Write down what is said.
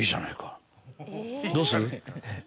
「どうする？」。